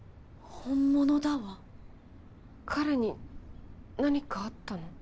本物だわ彼に何かあったの？